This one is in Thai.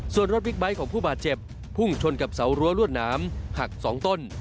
ส่วนรถบิ๊กไบท์ของผู้บาดเจ็บพุ่งชนกับเสารั้วลวดหนามหัก๒ต้น